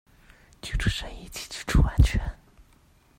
居住正義及居住安全